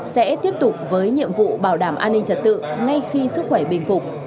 sẽ tiếp tục với nhiệm vụ bảo đảm an ninh trật tự ngay khi sức khỏe bình phục